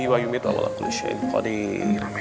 belum mau tidur lagi